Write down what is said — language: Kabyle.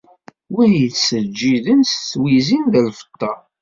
Win i yettseǧǧiden s twiztin n lfeṭṭa.